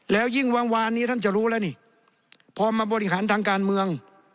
แล้วยิ่งวางวานนี้ท่านจะรู้แล้วนี่พอมาบริหารทางการเมือง